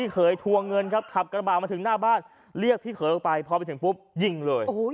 กระบาดมาถึงหน้าบ้านเรียกพี่เขาไปพอไปถึงปุ๊บยิงเลย